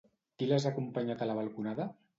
Qui les ha acompanyat a la balconada?